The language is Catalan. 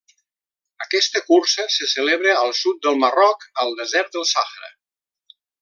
Aquesta cursa se celebra al sud del Marroc, al Desert de Sàhara.